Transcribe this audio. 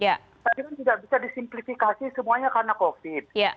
tapi kan tidak bisa disimplifikasi semuanya karena covid